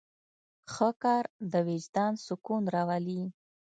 ښه کار د وجدان سکون راولي.